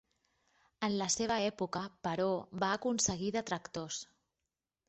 En la seva època, però, va aconseguir detractors.